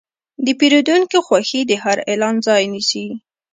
د پیرودونکي خوښي د هر اعلان ځای نیسي.